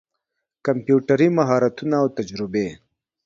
کمپيوټري مهارتونه او تجربې